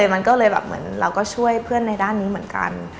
มันก็เลยแบบเหมือนเราก็ช่วยเพื่อนในด้านนี้เหมือนกัน